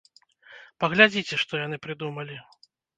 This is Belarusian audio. Паглядзіце, што яны прыдумалі!